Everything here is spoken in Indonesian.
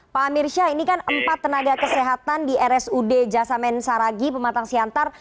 pak amir syah ini kan empat tenaga kesehatan di rsud jasamen saragi pematang siantar